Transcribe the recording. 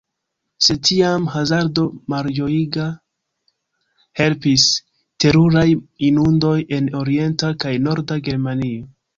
Sed tiam hazardo, malĝojiga, helpis: teruraj inundoj en orienta kaj norda Germanio.